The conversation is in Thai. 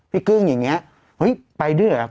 พี่กึ้งอย่างเงี้ยที่คือให้ไปด้วยอ่ะอ่ะ